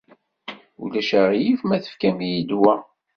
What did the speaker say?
Ulac aɣilif ma tefkamt-iyi-d wa?